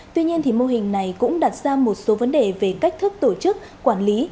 tuy nhiên mô hình này cũng đặt ra một số vấn đề về cách thức tổ chức quản lý